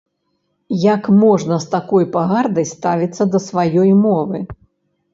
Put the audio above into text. Як можна з такой пагардай ставіцца да сваёй мовы?